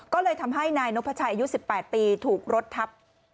ก็เลยทำให้นายนพชัยอายุ๑๘ปีถูกรถทับ